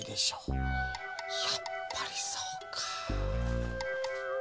やっぱりそうか。